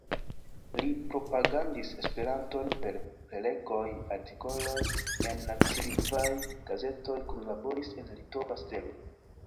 Li propagandis Esperanton per prelegoj, artikoloj en nacilingvaj gazetoj, kunlaboris en "Litova Stelo".